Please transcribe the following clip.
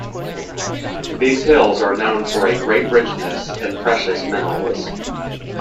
These hills are known for a great richness in precious minerals.